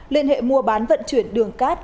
liên hệ mua bán vận chuyển đường cát